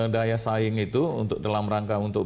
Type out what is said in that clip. daya saing itu untuk dalam rangka untuk